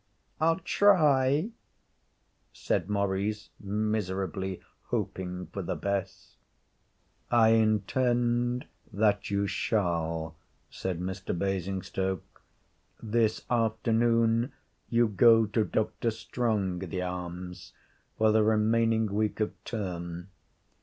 'I'll try,' said Maurice, miserably hoping for the best. 'I intend that you shall,' said Mr. Basingstoke. 'This afternoon you go to Dr. Strongitharm's for the remaining week of term.